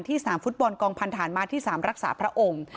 สนามฟุตบอลกองพันธานมาที่๓รักษาพระองค์